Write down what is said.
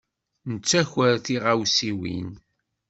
Nettaker tiɣawsiwin.